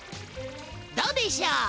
どうでしょう？